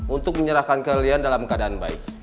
untuk menyerahkan kalian dalam keadaan baik